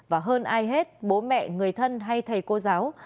và hơn ai hết bố mẹ người thân hay thầy cô giáo